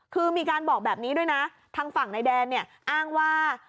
คือมีการบอกแบบนี้ด้วยนะทางฝั่งนายแดนเนี่ยอ้างว่า